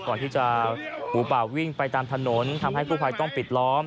ก่อนที่จะหมูป่าวิ่งไปตามถนนทำให้กู้ภัยต้องปิดล้อม